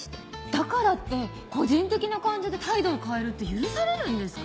だからって個人的な感情で態度を変えるって許されるんですか？